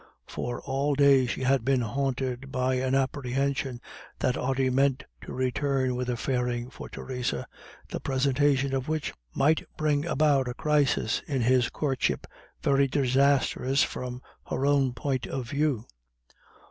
For all day she had been haunted by an apprehension that Ody meant to return with a fairing for Theresa, the presentation of which might bring about a crisis in his courtship very disastrous from her own point of view.